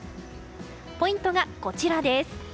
ポイントが、こちらです。